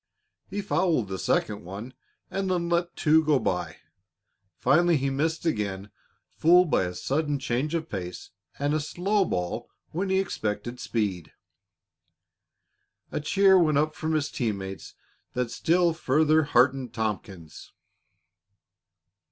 He fouled the second one, and then let two go by. Finally he missed again, fooled by a sudden change of pace and a slow ball when he had expected speed. A cheer went up from his team mates that still further heartened Tompkins.